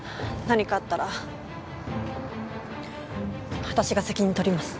何かあったら私が責任取ります。